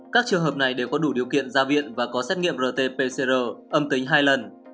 các trường hợp này đều có đủ điều kiện ra viện và có xét nghiệm rt pcr âm tính hai lần